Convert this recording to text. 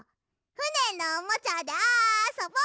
ふねのおもちゃであそぼ！